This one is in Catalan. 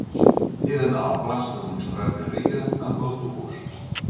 He d'anar a la plaça de Montserrat Garriga amb autobús.